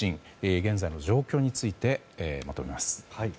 現在の状況についてまとめます。